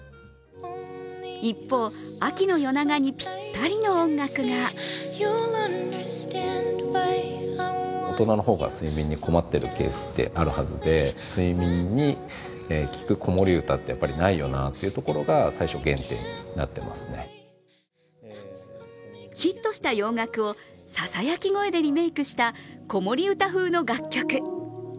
一方、秋の夜長にぴったりの音楽がヒットした洋楽をささやき声でリメイクした子守歌風の楽曲。